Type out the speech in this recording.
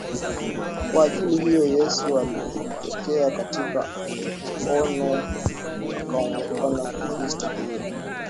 kwa ajili hiyo Yesu alimtokea katika ono akaongoka kuwa Mkristo Hivyo